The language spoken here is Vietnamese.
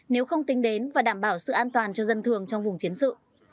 nếu không tính đến và đảm bảo sự an toàn cho dân thường trong vùng chiến sự